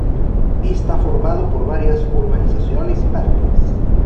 Está formado por varias urbanizaciones y parques.